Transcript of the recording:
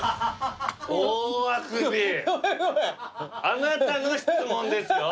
あなたの質問ですよ。